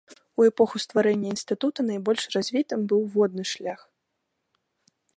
У эпоху стварэння інстытута найбольш развітым быў водны шлях.